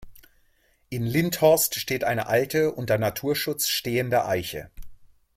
In Lindhorst steht eine alte, unter Naturschutz stehende Eiche.